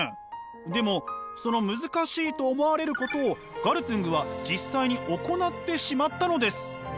でもその難しいと思われることをガルトゥングは実際に行ってしまったのです！